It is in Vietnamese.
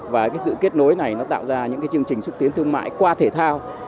và cái sự kết nối này nó tạo ra những chương trình xúc tiến thương mại qua thể thao